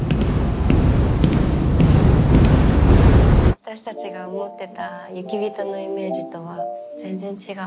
私たちが思ってた雪人のイメージとは全然違う。